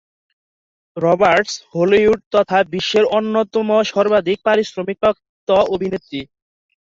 Roberts Hollywood তথা বিশ্বের অন্যতম সর্বাধিক পারিশ্রমিক প্রাপ্ত অভিনেত্রী।